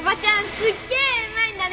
すっげえ絵うまいんだね！